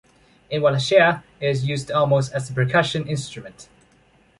In Wallachia, it is used almost as a percussion instrument.